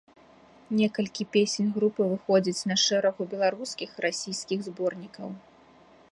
Некалькі песень групы выходзяць на шэрагу беларускіх і расійскіх зборнікаў.